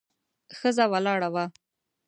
ښځه ولاړه وه.